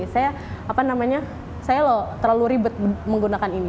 saya apa namanya saya loh terlalu ribet menggunakan ini